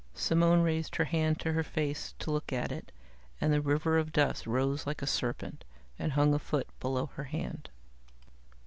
Now Simone raised her hand to her face to look at it, and the river of dust rose like a serpent and hung a foot below her hand.